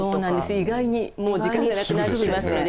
意外にもう時間がなくなっていますね。